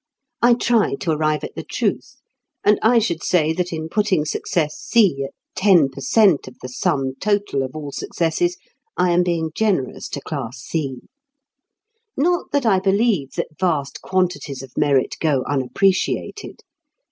I try to arrive at the truth, and I should say that in putting success C at ten per cent. of the sum total of all successes, I am being generous to class C. Not that I believe that vast quantities of merit go unappreciated.